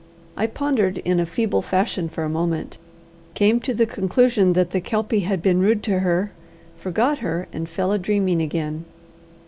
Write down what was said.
I pondered in a feeble fashion for a moment, came to the conclusion that the Kelpie had been rude to her, forgot her, and fell a dreaming again.